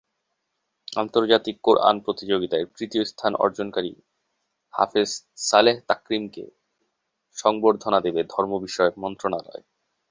আন্তর্জাতিক কোরআন প্রতিযোগিতায় তৃতীয় স্থান অর্জনকারী হাফেজ সালেহ তাকরিমকে সংবর্ধনা দেবে ধর্ম বিষয়ক মন্ত্রণালয়।